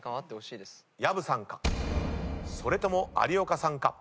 薮さんかそれとも有岡さんか。